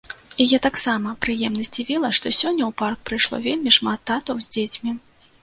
Яе таксама прыемна здзівіла, што сёння ў парк прыйшло вельмі шмат татаў з дзецьмі.